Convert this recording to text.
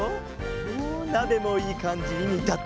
おおなべもいいかんじににたってきた。